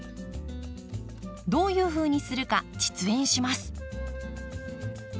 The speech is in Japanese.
どういうふうにするか実演します。